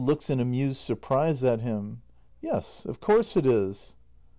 [Looks in amused surprise at him.] Yes, of course it is.